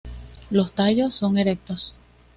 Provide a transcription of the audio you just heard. Los tallos son erectos.